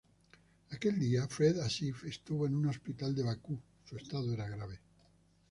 Aquel día "Fred Asif" estuvo en un hospital de Bakú, su estado era grave.